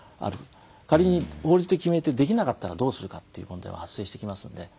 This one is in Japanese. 仮に法律で決めてできなかったらどうするかという問題も発生してきますので。